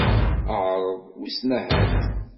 Ԑreḍ, wissen ahat.